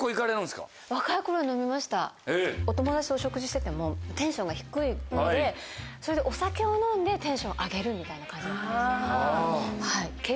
お友達とお食事しててもテンションが低いのでお酒を飲んでテンション上げるみたいな感じだった。